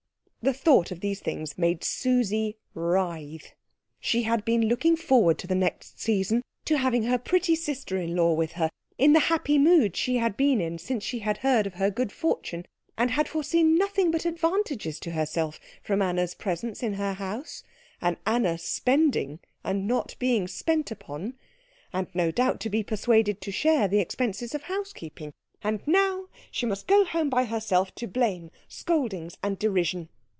The thought of these things made Susie writhe. She had been looking forward to the next season, to having her pretty sister in law with her in the happy mood she had been in since she heard of her good fortune, and had foreseen nothing but advantages to herself from Anna's presence in her house an Anna spending and not being spent upon, and no doubt to be persuaded to share the expenses of housekeeping. And now she must go home by herself to blame, scoldings, and derision.